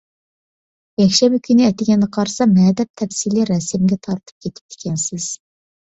يەكشەنبە كۈنى ئەتىگەندە قارىسام، ھەدەپ تەپسىلىي رەسىمگە تارتىپ كېتىپتىكەنسىز.